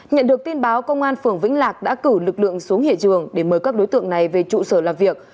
nhận được tin báo công an phường vĩnh lạc đã cử lực lượng xuống hiện trường để mời các đối tượng này về trụ sở làm việc